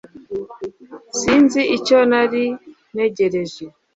Sinzi icyo nari ntegereje